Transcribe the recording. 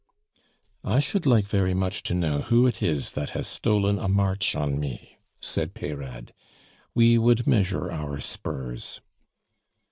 "I should like very much to know who it is that has stolen a march on me," said Peyrade. "We would measure our spurs!"